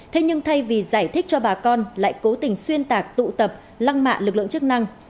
thế nhưng thay vì giải thích cho bà con lại cố tình xuyên tạc tụ tập lăng mạ lực lượng chức năng